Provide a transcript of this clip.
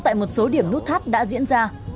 tại một số điểm nút thắt đã diễn ra